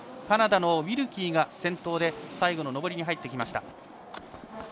カナダのウィルチェアーが先頭で最後の上りに入ってきました。